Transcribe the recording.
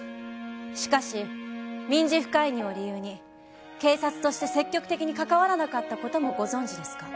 しかし民事不介入を理由に警察として積極的に関わらなかった事もご存じですか？